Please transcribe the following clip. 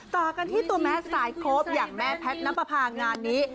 ต่อกันที่ตัวแม่สายโคปอย่างแม่แพทย์น้ำประพางานนี้